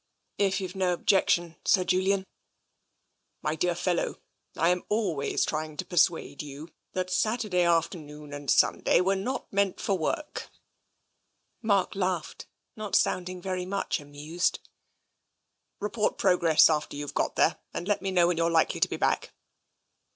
"" If youVe no objection, Sir Julian/' " My dear fellow, Tm always trying to persuade you that Saturday afternoon and Sunday were not meant for work/' Mark laughed, not sounding very much amused. " Report progress after you've got there and let me know when you're likely to be back."